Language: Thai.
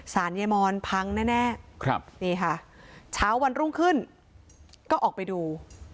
ยายมอนพังแน่ครับนี่ค่ะเช้าวันรุ่งขึ้นก็ออกไปดู